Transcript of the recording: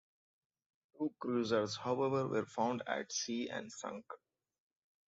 Two cruisers, however, were found at sea and sunk.